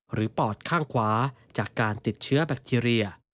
ปอดข้างขวาจากการติดเชื้อแบคทีเรีย